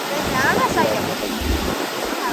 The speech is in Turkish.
Biraz daha lütfen.